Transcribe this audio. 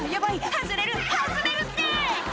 外れる外れるって！